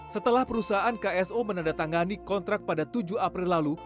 setelah perusahaan kso menandatangani kontrak pada tujuh april lalu